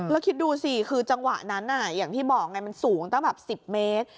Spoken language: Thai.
แล้วคิดดูสิคือจังหวะนั้นอย่างที่บอกไงมันสูงตั้งแบบ๑๐เมตร